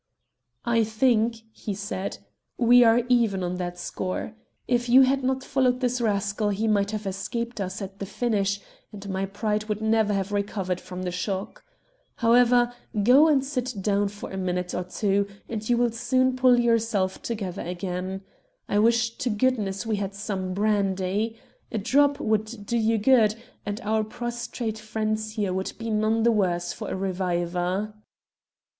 "I think," he said, "we are even on that score. If you had not followed this rascal he might have escaped us at the finish, and my pride would never have recovered from the shock. However, go and sit down for a minute or two and you will soon pull yourself together again. I wish to goodness we had some brandy. A drop would do you good, and our prostrate friend here would be none the worse for a reviver."